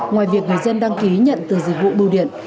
ngoài việc người dân đăng ký nhận từ dịch vụ bưu điện